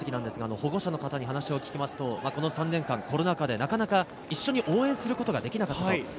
保護者の方に話を聞くと、この３年間、コロナ禍で、なかなか一緒に応援することができなかった。